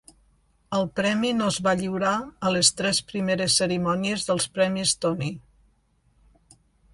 El premi no es va lliurar a les tres primeres cerimònies dels Premis Tony.